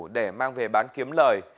để mang về bán kiếm lời